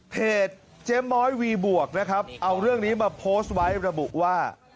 เพจเจ๊ม้อยวีบวกนะครับเอาเรื่องนี้มาโพสต์ไว้ระบุว่า